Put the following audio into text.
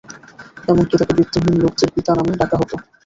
এমনকি তাঁকে বিত্তহীন লোকদের পিতা নামে ডাকা হত।